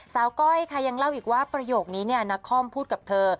ก้อยค่ะยังเล่าอีกว่าประโยคนี้นักคอมพูดกับเธอ